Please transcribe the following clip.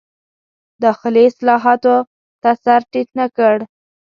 داخلي اصلاحاتو ته سر ټیټ نه کړ.